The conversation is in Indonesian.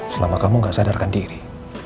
selama kamu gak sadarkan diri